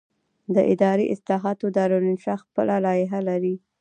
د اداري اصلاحاتو دارالانشا خپله لایحه لري.